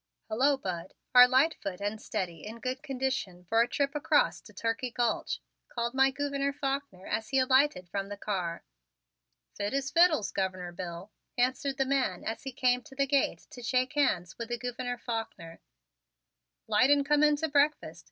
"Hello, Bud. Are Lightfoot and Steady in good condition for a trip across to Turkey Gulch?" called my Gouverneur Faulkner as he alighted from the car. "Fit as fiddles, Governor Bill," answered the man as he came to the gate to shake hands with the Gouverneur Faulkner. "'Light and come in to breakfast.